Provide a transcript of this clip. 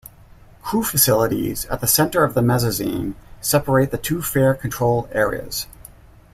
Crew facilities at the center of the mezzanine separate the two fare control areas.